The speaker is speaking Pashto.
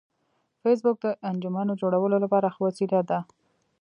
فېسبوک د انجمنونو جوړولو لپاره ښه وسیله ده